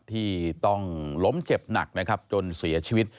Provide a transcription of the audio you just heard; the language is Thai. ที่ต้องล้มเจ็บหนักนะครับจนเสียชีวิต